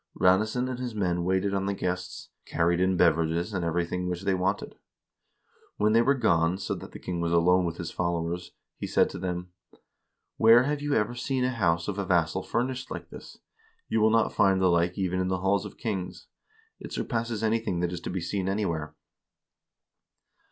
Ranesson and his men waited on the guests, carried in bever ages and everything which they wanted. When they were gone, so that the king was alone with his followers, he said to them :' Where have you ever seen a house of a vassal furnished like this? You will not find the like even in the halls of kings. It surpasses anything that is to be seen anywhere.'